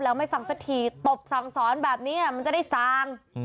แล้วไม่ฟังสักทีตบสั่งสอนแบบนี้มันจะได้ซาง